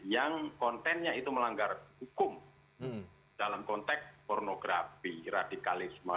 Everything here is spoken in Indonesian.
yang kontennya itu melanggar hukum dalam konteks pornografi radikalisme